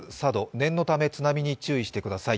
念のため津波に注意してください。